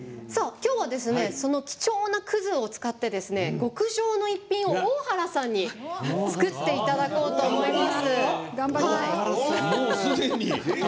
今日は貴重な葛を使って極上の一品を大原さんに作っていただこうと思います。